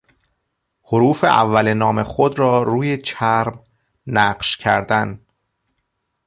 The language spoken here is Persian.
حروف اول نام خود را روی چرم نقش کردن